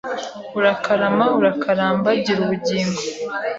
urakarama, urakaramba, gira ubugingo,